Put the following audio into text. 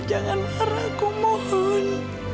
jangan lara aku mohon